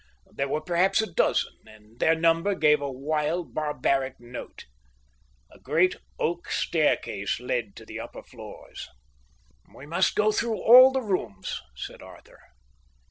There were perhaps a dozen, and their number gave a wild, barbaric note. A great oak staircase led to the upper floors. "We must go through all the rooms," said Arthur.